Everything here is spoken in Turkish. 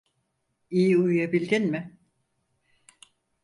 İyi uyuyabildin mi?